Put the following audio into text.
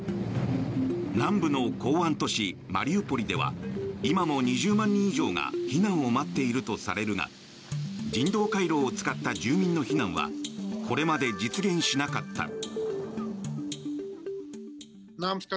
南部の港湾都市マリウポリでは今も２０万人以上が避難を待っているとされるが人道回廊を使った住民の避難はこれまで実現しなかった。